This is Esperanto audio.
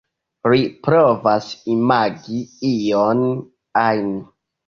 Ri provas imagi ion ajn.